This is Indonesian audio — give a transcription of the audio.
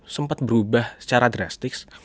sempat berubah secara drastis